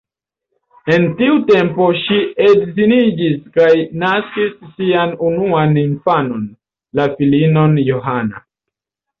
En tiu tempo ŝi edziniĝis kaj naskis sian unuan infanon, la filinon Johanna.